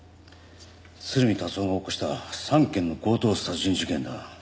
鶴見達男が起こした３件の強盗殺人事件だ。